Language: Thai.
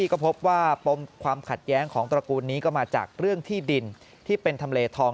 ก็พบว่าปมความขัดแย้งของตระกูลนี้ก็มาจากเรื่องที่ดินที่เป็นทำเลทอง